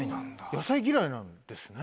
野菜嫌いなんですね。